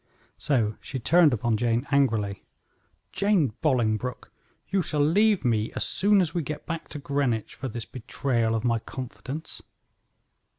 So she turned upon Jane angrily: "Jane Bolingbroke, you shall leave me as soon as we get back to Greenwich for this betrayal of my confidence."